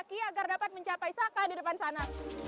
kaki agar dapat mencapai saka di depan sana